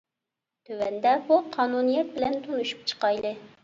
تۆۋەندە بۇ قانۇنىيەت بىلەن تونۇشۇپ چىقايلى.